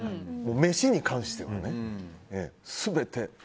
飯に関してはね、全て。